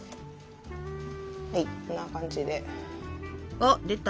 はいこんな感じで。